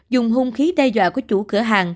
dùng hung khí đe dọa của chủ cửa hàng